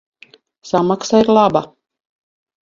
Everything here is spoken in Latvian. Samaksa ir laba.